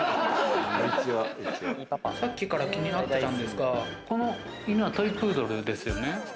さっきから気になってたんですが、この犬はトイプードルですよね。